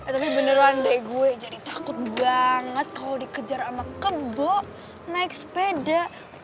tapi beneran day gue jadi takut banget kalau dikejar sama kebo naik sepeda